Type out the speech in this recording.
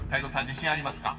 自信ありますか？］